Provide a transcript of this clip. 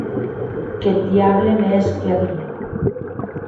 Qu’eth diable me hesque a vier!